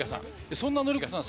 そんな紀香さん